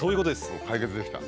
解決できた。